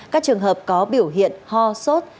các trường hợp có biểu hiện ho sốt